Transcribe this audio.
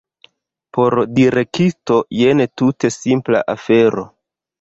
Por direktisto jen tute simpla afero.